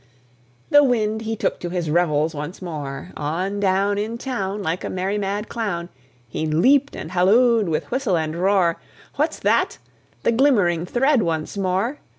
The Wind he took to his revels once more; On down, In town, Like a merry mad clown, He leaped and hallooed with whistle and roar "What's that?" The glimmering thread once more!